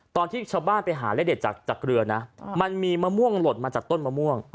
ตอนที่ชาวบ้านไปหาเลขเด็ดจากเรือนะมันมีมะม่วงหลดมาจากต้นมะม่วง